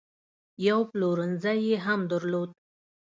یو پلورنځی یې هم درلود.